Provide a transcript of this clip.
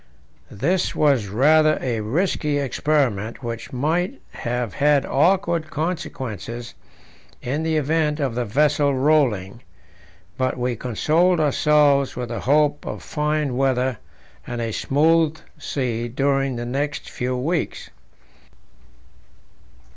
This was rather a risky experiment, which might have had awkward consequences in the event of the vessel rolling; but we consoled ourselves with the hope of fine weather and a smooth sea during the next few weeks.